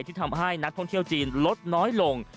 ที่ทำให้นักท่องเที่ยวจีนลดน้อยลง